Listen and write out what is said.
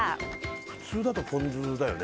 普通だとポン酢だよね。